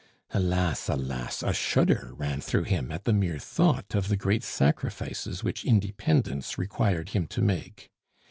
Alas! alas! a shudder ran through him at the mere thought of the great sacrifices which independence required him to make.